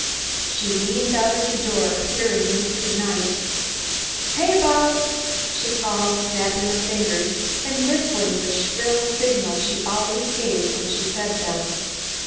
She leaned out of the door, peering into the night. "Heah, Bob!" she called, snapping her fingers, and whistling the shrill signal she always gave when she fed them.